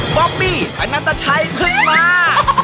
บอกมีอนาตาชัยพึ่งมา